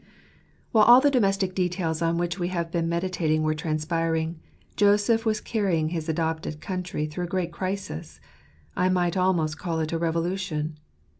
HILE all the domestic details on which we have been meditating were transpiring, Joseph was carrying his adopted country through a great crisis — I might almost call it a revolution.